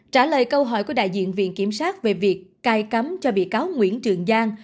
trả lời câu hỏi của đại diện viện kiểm sát về việc cai cắm cho bị cáo nguyễn trường giang